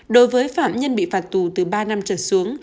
đối với phạm nhân bị phạt tù từ ba năm trở xuống